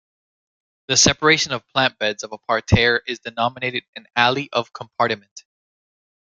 The separation of plant beds of a pareterre is denominated an "alley of compartiment".